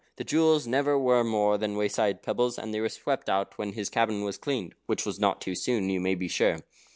The jewels never were more than wayside pebbles, and they were swept out when his cabin was cleaned, which was not too soon, you may be sure.